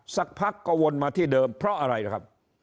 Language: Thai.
สักพักก็วนมาที่เดิมเพราะอะไรล่ะครับ